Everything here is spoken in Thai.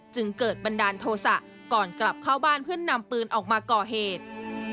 จึงเกิดบันดาลโทษะก่อนกลับเข้าบ้านเพื่อนำปืนออกมาก่อเหตุ